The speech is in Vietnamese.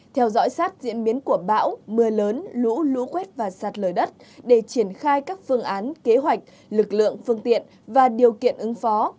theo dõi sát diễn biến của bão mưa lớn lũ lũ quét và sạt lở đất để triển khai các phương án kế hoạch lực lượng phương tiện và điều kiện ứng phó